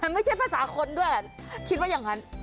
มันไม่ใช่ภาษาคนด้วยคิดว่าอย่างนั้น